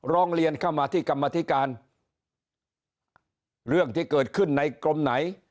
ร้องเรียนเข้ามาที่กรรมธิการเรื่องที่เกิดขึ้นในกรมไหน